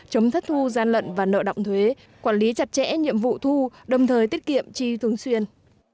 chống thất thu gian lận và nợ động thuế quản lý chặt chẽ nhiệm vụ thu đồng thời tiết kiệm chi thường xuyên